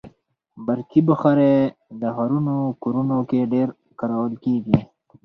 برقي بخاري د ښارونو کورونو کې ډېره کارول کېږي.